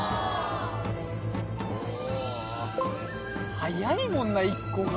早いもんな１個が。